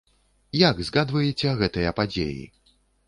Як згадваеце гэтыя падзеі?